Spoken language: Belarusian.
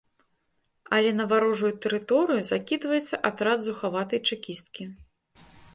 Але на варожую тэрыторыю закідваецца атрад зухаватай чэкісткі.